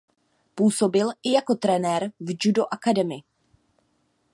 Působil i jako trenér v Judo Academy.